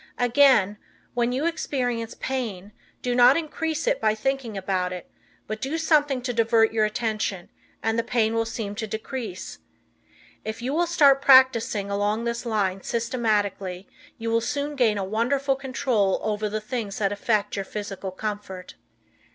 Again, when you experience pain, do not increase it by thinking about it, but do something to divert your attention, and the pain will seem to decrease. If you will start practicing along this line systematically you will soon gain a wonderful control over the things that affect your physical comfort.